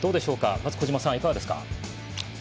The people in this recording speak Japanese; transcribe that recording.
まず、小島さんいかがですか？